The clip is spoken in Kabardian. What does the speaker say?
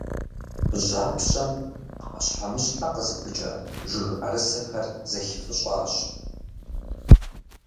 Жьапщэм пхъэщхьэмыщхьэ къызыпыкӏэ жыг ӏэрысэхэр зэхифыщӏащ.